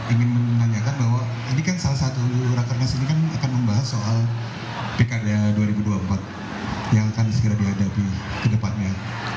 ingin menanyakan bahwa ini kan salah satu rakernas ini kan akan membahas soal pilkada dua ribu dua puluh empat yang akan segera dihadapi ke depannya